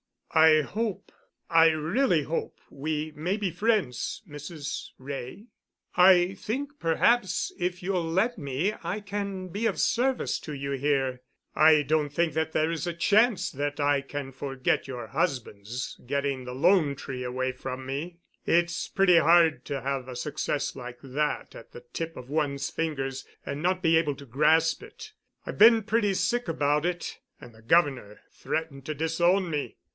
"I hope—I really hope we may be friends, Mrs. Wray. I think perhaps if you'll let me I can be of service to you here. I don't think that there is a chance that I can forget your husband's getting the 'Lone Tree' away from me. It's pretty hard to have a success like that at the tips of one's fingers and not be able to grasp it. I've been pretty sick about it, and the governor threatened to disown me.